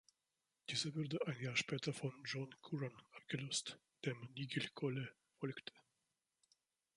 Dieser wurde ein Jahr später von John Curran abgelöst, dem Nigel Cole folgte.